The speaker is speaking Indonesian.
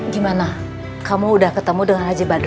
gimana kamu udah ketemu dengan raja badru